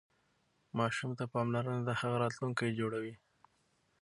ماسوم ته پاملرنه د هغه راتلونکی جوړوي.